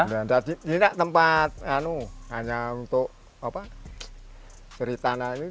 belanda ini nggak tempat hanya untuk seri tanah ini